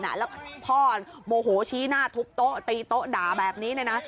แล้วพ่อโมโหชี้หน้าทุบโต๊ะตีโต๊ะด่าแบบนี้